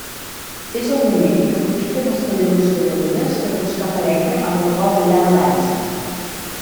És el moment que aprofiten els balladors i balladores per a buscar parella amb la qual ballar la Dansa.